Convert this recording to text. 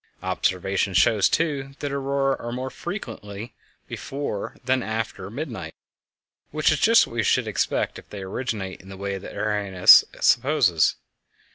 Observation shows, too, that auroræ are more frequent before than after midnight, which is just what we should expect if they originate in the way that Arrhenius supposes.